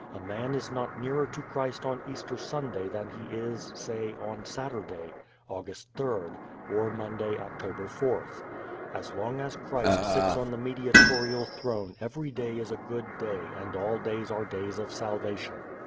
A man is not nearer to Christ on Easter Sunday than he is, say, on Saturday, August 3, or Monday, October 4. As long as Christ sits on the mediatorial throne every day is a good day and all days are days of salvation.